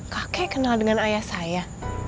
kakek kenal dengan ayah saya